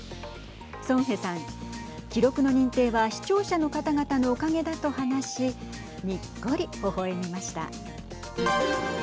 ソン・ヘさん記録の認定は視聴者の方々のおかげだと話しにっこり、ほほえみました。